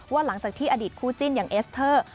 หลังจากที่อดีตคู่จิ้นอย่างเอสเตอร์